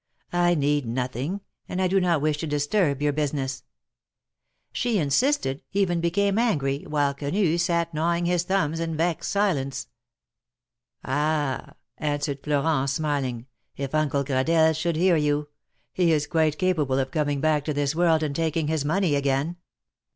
I need nothing, and I do not wish to disturb your business." She insisted, even became angry, while Quenu sat gnawing his thumbs in vexed silence. "Ah !" answered Florent, smiling; "if Uncle Gradelle should hear you ; he is quite capable of coming back to this world and taking his money again.